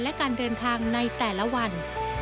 และการเดินทางในแต่ละวัน